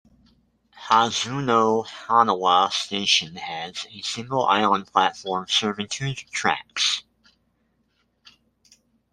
Kazuno-Hanawa Station has a single island platform serving two tracks.